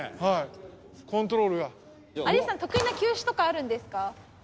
はいコントロールが有吉さん得意な球種とかあるんですか？